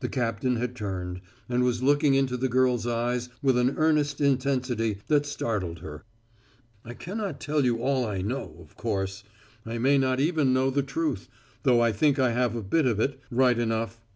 The captain had turned, and was looking into the girl's eyes with an earnest intensity that startled her. "I can not tell you all I know, of course. I may not even know the truth, though I think I have a bit of it, right enough.